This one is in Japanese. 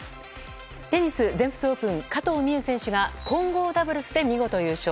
テニス全仏オープン加藤未唯選手が混合ダブルスで見事優勝。